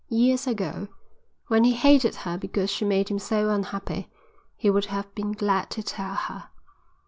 Years ago, when he hated her because she made him so unhappy, he would have been glad to tell her.